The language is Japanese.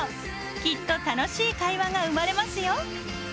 きっと楽しい会話が生まれますよ。